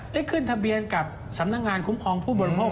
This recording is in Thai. ได้ขึ้นทะเบียนกับสำนักงานคุ้มครองผู้บริโภค